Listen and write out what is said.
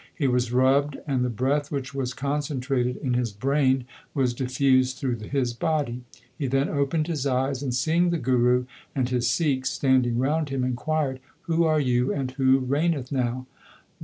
He was rubbed and the breath which was concentrated in his brain was diffused through his body. He then opened his eyes, and seeing the Guru and his Sikhs standing round him, inquired, Who are you and who reigneth now